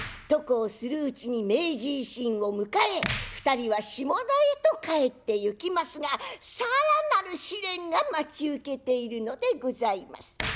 とこうするうちに明治維新を迎え２人は下田へと帰ってゆきますが更なる試練が待ち受けているのでございます。